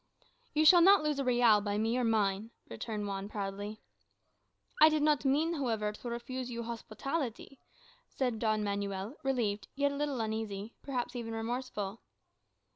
"You shall not lose a real by me or mine," returned Juan proudly. "I did not mean, however, to refuse you hospitality," said Don Manuel, relieved, yet a little uneasy, perhaps even remorseful.